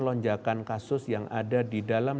lonjakan kasus yang ada di dalam